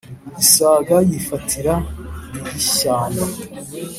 isega yifatira iy'ishyamba